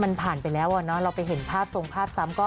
มันผ่านไปแล้วอ่ะเนอะเราไปเห็นภาพทรงภาพซ้ำก็